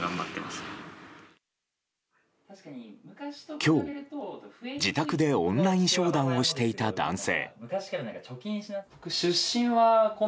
今日、自宅でオンライン商談をしていた男性。